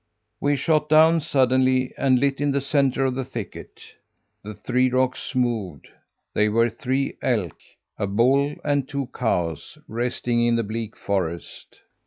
"We shot down, suddenly, and lit in the centre of the thicket. The three rocks moved. They were three elk a bull and two cows resting in the bleak forest.